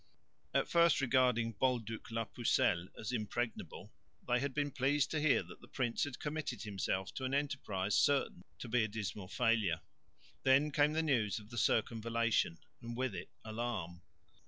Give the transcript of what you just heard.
At first regarding Bolduc la pucelle as impregnable, they had been pleased to hear that the prince had committed himself to an enterprise certain to be a dismal failure. Then came the news of the circumvallation, and with it alarm.